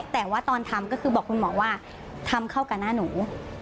แต่ว่าตอนทำก็คือบอกคุณหมอว่าทำเข้ากับหน้าหนู